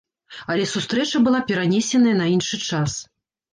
Але сустрэча была перанесеная на іншы час.